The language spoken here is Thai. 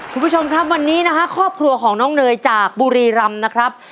คุณผู้ชมครับวันนี้นะฮะครอบครัวของน้องเนยจากบุรีรำนะครับ